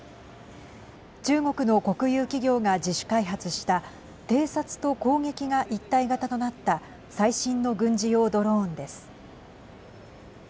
中国の国有企業が自主開発した偵察と攻撃が一体型となった最新の軍事用ドローンです。